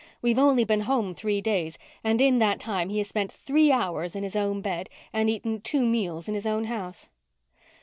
We've only been home three days and in that time he has spent three hours in his own bed and eaten two meals in his own house."